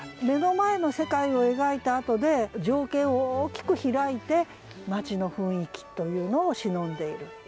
目の前の世界を描いたあとで情景を大きく開いて街の雰囲気というのをしのんでいる。